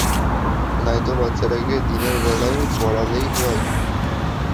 নয়তো বাচ্চাটাকে দিনের বেলায় পড়ালেই হয়।